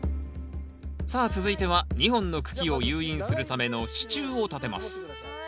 さあ続いては２本の茎を誘引するための支柱を立てます